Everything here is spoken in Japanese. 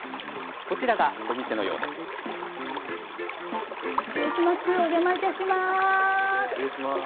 こちらがお店のようですが。